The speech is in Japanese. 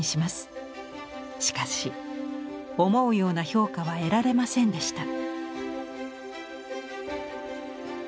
しかし思うような評価は得られませんでした。